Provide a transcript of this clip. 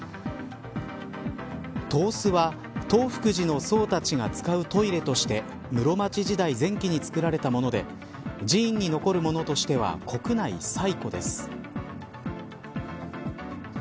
東司は、東福寺の僧たちが使うトイレとして室町時代前期に作られたもので寺院残るものとしては国内最古です。